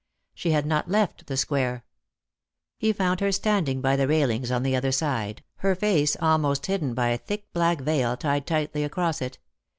She had not left the square. He found her standing by the railings on the other side, her face almost hidden by a thick black veil tied tightly across it.